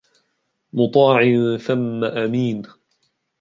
مطاع ثم أمين